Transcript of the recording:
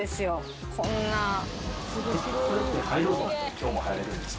今日も入れるんですか？